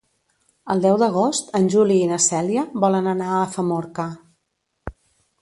El deu d'agost en Juli i na Cèlia volen anar a Famorca.